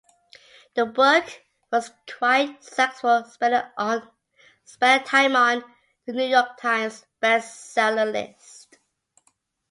The book was quite successful spending time on "The New York Times" Bestseller List.